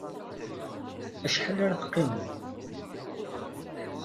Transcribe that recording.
Acḥal ara t-qimeḍ?